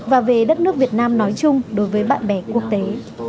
và về đất nước việt nam nói chung đối với bạn bè quốc tế